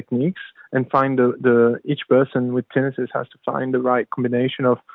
dan kadang kadang dalam kombinasi